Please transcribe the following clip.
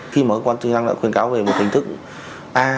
khi mà quán truyền thông đã khuyên cáo về một hình thức a